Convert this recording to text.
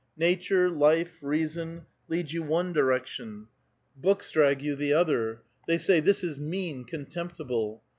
Nature, life, reason, lead you one direction ; books drag you the other : they say, ' This is mean, contemptible.'